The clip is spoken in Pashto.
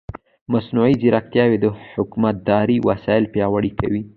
مصنوعي ځیرکتیا د حکومتدارۍ وسایل پیاوړي کوي.